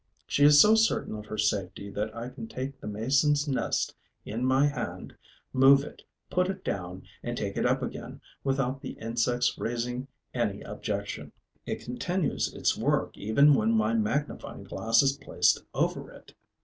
She is so certain of her safety that I can take the Mason's nest in my hand, move it, put it down and take it up again without the insect's raising any objection: it continues its work even when my magnifying glass is placed over it.